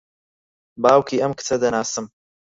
باوکی ئەم کچە دەناسم.